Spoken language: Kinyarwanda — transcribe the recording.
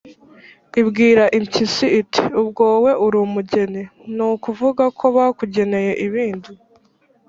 Ibwira Impyisi iti: "Ubwo wowe uri umugeni, ni ukuvuga ko bakugeneye ibindi